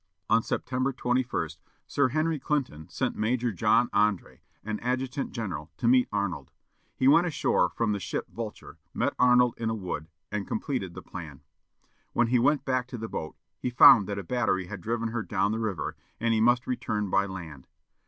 On September 21, Sir Henry Clinton sent Major John André, an adjutant general, to meet Arnold. He went ashore from the ship Vulture, met Arnold in a wood, and completed the plan. When he went back to the boat, he found that a battery had driven her down the river, and he must return by land.